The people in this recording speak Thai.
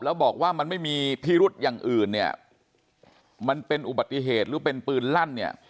แล้วบอกว่ามันไม่มีพิรุษอย่างอื่นเนี่ยมันเป็นอุบัติเหตุหรือเป็นปืนลั่นเนี่ย